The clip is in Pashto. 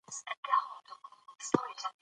پي پي پي کولی شي ځان ته زیان ورسوي.